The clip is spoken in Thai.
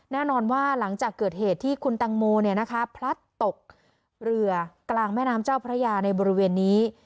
แน่นอนว่าหลังจากเกิดเหตุที่คุณตังโมพลัดตกเรือกลางแม่น้ำเจ้าพระยาในบริเวณนี้